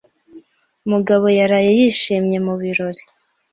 Mugabo yaraye yishimye mu birori.